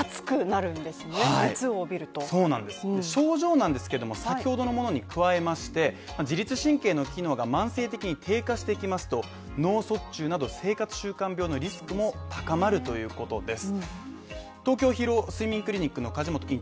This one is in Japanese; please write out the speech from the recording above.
症状なんですけども先ほどのものに加えまして、自律神経の機能が慢性的に低下していきますと、脳卒中など生活習慣病のリスクも高まるということです。